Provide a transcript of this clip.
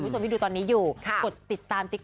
จริงจริง